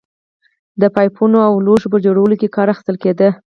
د پایپونو او لوښو په جوړولو کې کار اخیستل کېده